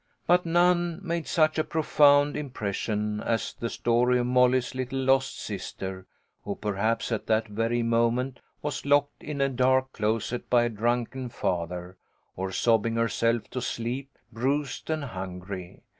But none made such a profound im pression as the story of Molly's little lost sister, who perhaps at that very moment was locked in a dark closet by a drunken father, or sobbing herself to sleep, bruised and hungry.